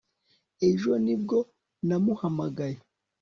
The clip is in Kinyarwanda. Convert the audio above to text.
ejo ni bwo namuhamagaye